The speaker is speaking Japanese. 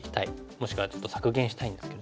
もしくはちょっと削減したいんですけども。